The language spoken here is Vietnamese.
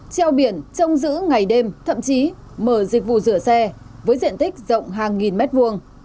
treo biển trông giữ ngày đêm thậm chí mở dịch vụ rửa xe với diện tích rộng hàng nghìn mét vuông